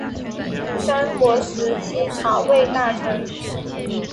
三国时期曹魏大臣。